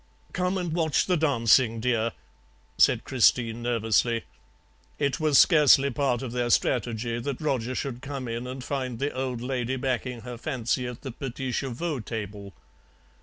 "'Come and watch the dancing, dear,' said Christine nervously. It was scarcely a part of their strategy that Roger should come in and find the old lady backing her fancy at the PETITS CHEVAUX table.